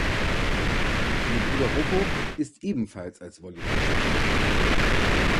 Ihr Bruder Roko ist ebenfalls als Volleyballspieler aktiv.